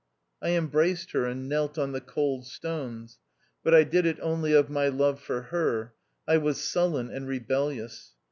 I embraced her, and kn<ilt on the cold stones. But I did it only of my love for her. I was sullen and rebellious.